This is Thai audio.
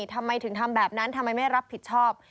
ทำไมถึงทำแบบนั้นทำไมไม่รับผิดชอบ